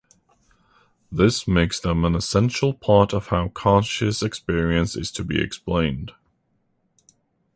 This makes them an essential part of how conscious experience is to be explained.